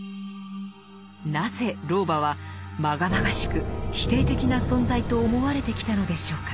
なぜ老婆は禍々しく否定的な存在と思われてきたのでしょうか。